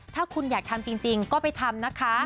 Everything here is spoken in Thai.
ถ้าคุณอยากทำจริงก็ไปทำนะคะ